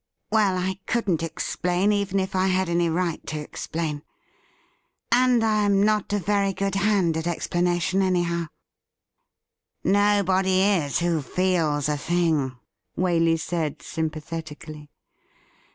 Well, I couldn't explain even if I had any right to explain ; and I am not a very good hand at explanation, anyhow.' WHAT WALEY DID WITH HIMSELF 253 'Nobody is who feels a thing,' Waley said sympatheti cally.